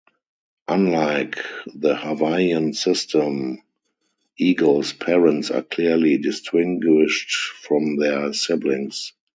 Unlike the Hawaiian system, Ego's parents are clearly distinguished from their siblings.